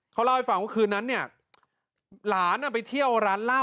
เขาเล่าให้ฟังว่าคืนนั้นเนี่ยหลานไปเที่ยวร้านเหล้า